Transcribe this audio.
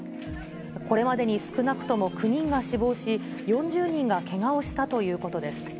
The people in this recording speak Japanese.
これまでに少なくとも９人が死亡し、４０人がけがをしたということです。